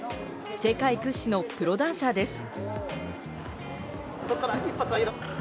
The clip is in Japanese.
世界屈指のプロダンサーです。